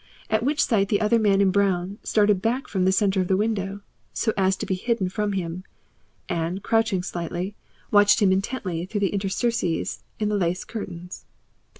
At which sight the other man in brown started back from the centre of the window, so as to be hidden from him, and crouching slightly, watched him intently through the interstices of the lace curtains.